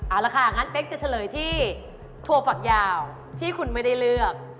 เอาละค่ะงั้นเป๊กจะเฉลยที่ถั่วฝักยาวที่คุณไม่ได้เลือก